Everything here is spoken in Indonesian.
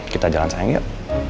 kita jalan sayang yuk